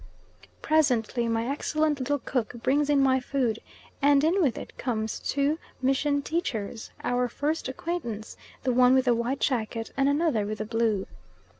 Presently my excellent little cook brings in my food, and in with it come two mission teachers our first acquaintance, the one with a white jacket, and another with a blue.